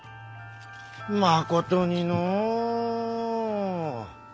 まことにのう。